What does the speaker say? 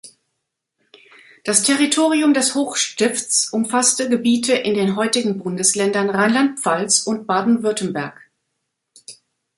Das Territorium des Hochstifts umfasste Gebiete in den heutigen Bundesländern Rheinland-Pfalz und Baden-Württemberg.